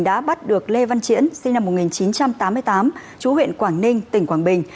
đã bắt được lê văn triển sinh năm một nghìn chín trăm tám mươi tám chú huyện quảng ninh tỉnh quảng bình